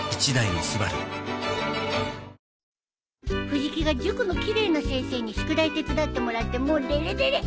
藤木が塾の奇麗な先生に宿題手伝ってもらってもうデレデレ。